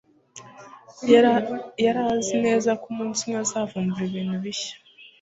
Yari azi neza ko umunsi umwe azavumbura ibintu bishya